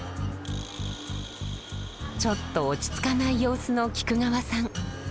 ちょっと落ち着かない様子の菊川さん。